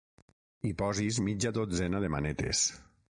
Hi posis mitja dotzena de manetes.